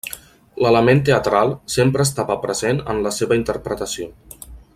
L'element teatral sempre estava present en la seva interpretació.